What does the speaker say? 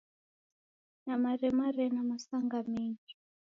Namaremare na masanga mengi.